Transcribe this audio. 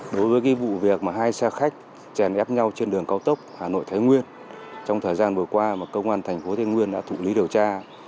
đối với vụ việc mà hai xe khách chèn ép nhau trên đường cao tốc hà nội thái nguyên trong thời gian vừa qua mà công an thành phố thái nguyên đã thụ lý điều tra